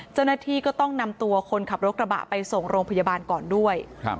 เจ้าหน้าที่ก็ต้องนำตัวคนขับรถกระบะไปส่งโรงพยาบาลก่อนด้วย